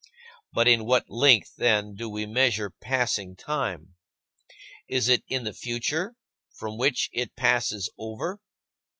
But in what "length," then, do we measure passing time? Is it in the future, from which it passes over?